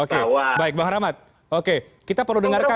oke baik bang rahmat oke kita perlu dengarkan